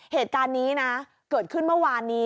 เหตุการณ์นี้นะเกิดขึ้นเมื่อวานนี้